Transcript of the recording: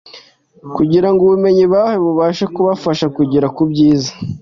kugira ngo ubumenyi bahawe bubashe kubafasha kugera ku byiza